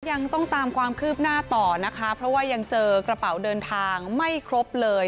ยังต้องตามความคืบหน้าต่อนะคะเพราะว่ายังเจอกระเป๋าเดินทางไม่ครบเลย